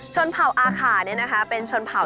ชนเพราอาคานะคะ